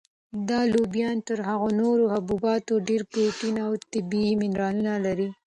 دا لوبیا تر هغو نورو حبوباتو ډېر پروټین او طبیعي منرالونه لري.